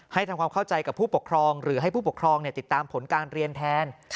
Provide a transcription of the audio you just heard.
ทำความเข้าใจกับผู้ปกครองหรือให้ผู้ปกครองติดตามผลการเรียนแทน